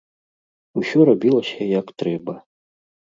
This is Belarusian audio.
Усё рабілася, як трэба.